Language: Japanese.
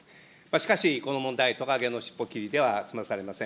しかし、この問題、トカゲの尻尾きりでは済まされません。